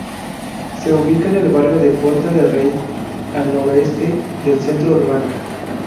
Se ubica en el barrio de Puerta de Rey al noreste del centro urbano.